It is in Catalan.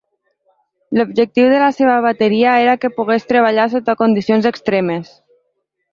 L'objectiu de la seva bateria era que pogués treballar sota condicions extremes.